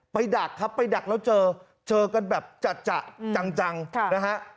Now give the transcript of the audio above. ดักครับไปดักแล้วเจอเจอกันแบบจัดจังนะฮะ